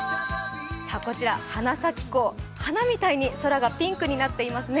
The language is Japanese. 花咲港、花みたいに空がピンクになっていますね。